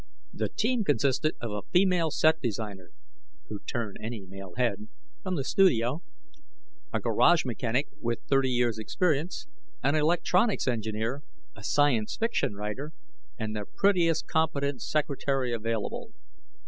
The team consisted of a female set designer who'd turn any male head from the Studio, a garage mechanic with 30 years' experience, an electronics engineer, a science fiction writer, and the prettiest competent secretary available.